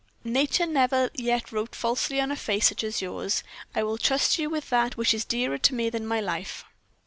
Nature never yet wrote falsely on such a face as yours. I will trust you with that which is dearer to me than my life."